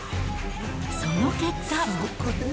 その結果。